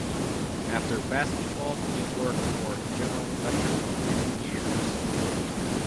After basketball he worked for General Electric for many years.